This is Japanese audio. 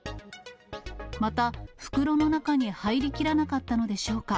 また、袋の中に入りきらなかったのでしょうか。